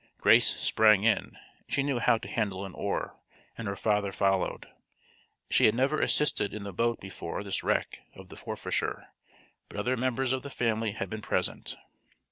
Grace sprang in she knew how to handle an oar and her father followed. She had never assisted in the boat before this wreck of the Forfarshire, but other members of the family had been present.